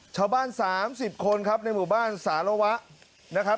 ชาวบ้าน๓๐คนครับในหมู่บ้านสารวะนะครับ